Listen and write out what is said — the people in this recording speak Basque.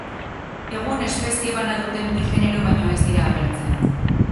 Egun espezie bana duten bi genero baino ez dira geratzen.